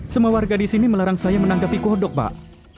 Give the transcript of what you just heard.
semua warga di sini melarang saya menanggapi kodok pak